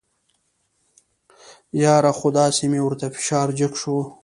یاره خو داسې مې ورته فشار جګ شو.